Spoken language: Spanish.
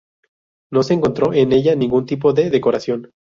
No se encontró en ella ningún tipo de decoración.